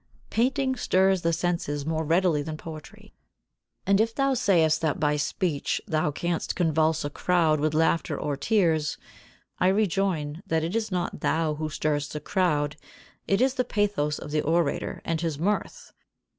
Painting stirs the senses more readily than poetry. And if thou sayest that by speech thou canst convulse a crowd with laughter or tears, I rejoin that it is not thou who stirrest the crowd, it is the pathos of the orator, and his mirth.